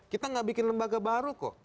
kita gak bikin lembaga baru kok